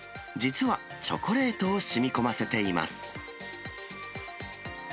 実は、チョコレートをしみこませています。